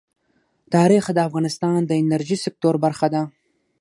تاریخ د افغانستان د انرژۍ سکتور برخه ده.